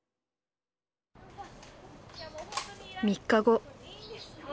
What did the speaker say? ３日後。